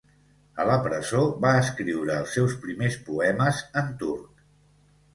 A la presó va escriure els seus primers poemes en turc.